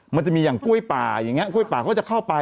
มันจะมีอย่างกล้วยป่าอย่างนี้กล้วยป่าเขาก็จะเข้าไป